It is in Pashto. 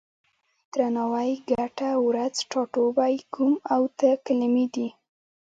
پلرنی، درناوی، ګټه، ورځ، ټاټوبی، کوم او ته کلمې دي.